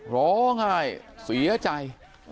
ร้องไห้เสียใจ